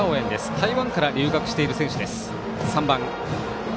台湾から留学している選手、３番。